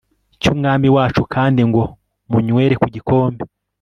cy umwami wacu kandi ngo munywere ku gikombe